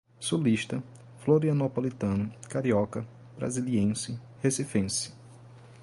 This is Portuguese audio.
sulista, florianopolitano, carioca, brasiliense, recifense